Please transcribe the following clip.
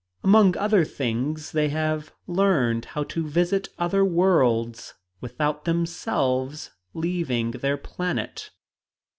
Among other things, they have learned how to visit other worlds without themselves leaving their planet.